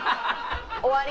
終わり。